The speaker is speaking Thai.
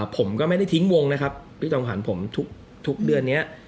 ผมก็ไม่ได้ทิ้งวงนะครับพี่จอมขวัญผมทุกเดือนนี้